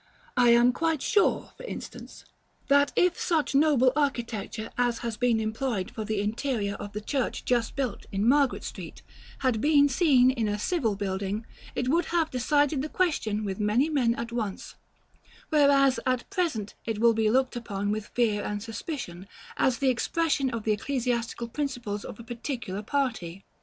I am quite sure, for instance, that if such noble architecture as has been employed for the interior of the church just built in Margaret Street had been seen in a civil building, it would have decided the question with many men at once; whereas, at present, it will be looked upon with fear and suspicion, as the expression of the ecclesiastical principles of a particular party.